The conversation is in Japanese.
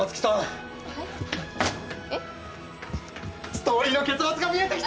ストーリーの結末が見えてきた！